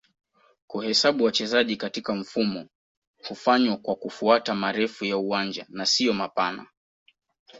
kuhesabu wachezaji katika mfumo hufanywa kwa kufuata marefu ya uwanja na sio mapana